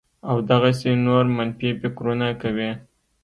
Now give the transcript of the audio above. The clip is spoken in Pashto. او دغسې نور منفي فکرونه کوي